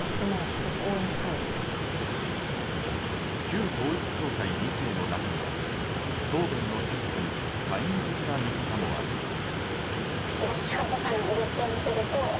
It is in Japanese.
旧統一教会２世の中には答弁の変化に懐疑的な見方もあります。